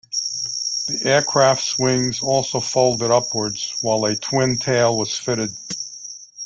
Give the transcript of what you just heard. The aircraft's wings also folded upwards, while a twin tail was fitted.